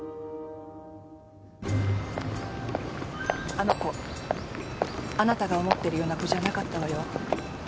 あの子あなたが思ってるような子じゃなかったわよ。